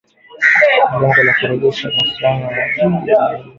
Kwa lengo la kurejesha uhusiano wa kidiplomasia.